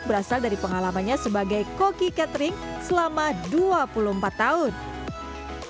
berasal dari pengalamannya sebagai koki catering selama dua puluh empat tahun saya buka begini cuma kagum anak